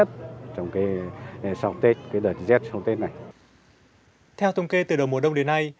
theo thông kê từ đầu mùa đông đến nay